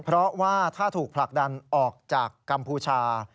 เพราะว่าถ้าถูกผลักดันออกจากกัมพูชา